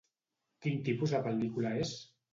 Quin tipus de pel·lícula és?